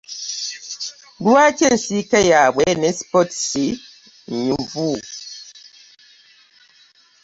Lwaaki ensiike yabwe ne spurs nyuvu .